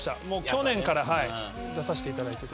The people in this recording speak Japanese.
去年から出させていただいてて。